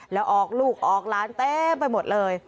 แล้วออกลูกออกหลานเต็มไปหมดเลย